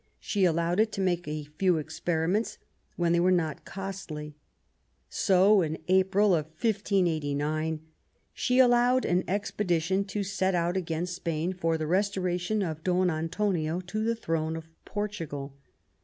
She allowed it to make a few experiments, when they were not costly. So in April, 1589, she allowed an expedition to THE NEW ENGLAND, 245 set out against Spain for the restoration of Don Antonio to the throne of Portugal.